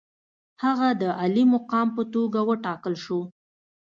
هغه د عالي مقام په توګه وټاکل شو.